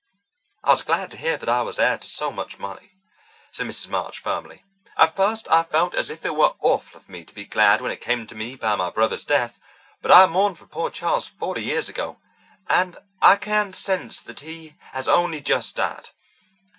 "I was glad to hear that I was heir to so much money," said Mrs. March firmly. "At first I felt as if it were awful of me to be glad when it came to me by my brother's death. But I mourned for poor Charles forty years ago, and I can't sense that he has only just died.